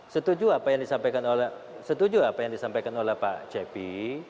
setuju apa yang disampaikan oleh pak cepi